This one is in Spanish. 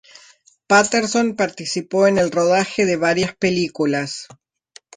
Patterson participó en el rodaje de varias películas.